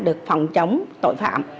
được phòng chống tội phạm